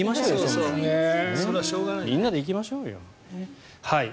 みんなで行きましょうよ。